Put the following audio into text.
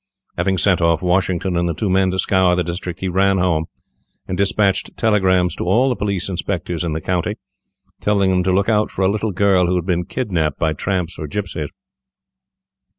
Having sent off Washington and the two men to scour the district, he ran home, and despatched telegrams to all the police inspectors in the county, telling them to look out for a little girl who had been kidnapped by tramps or gipsies.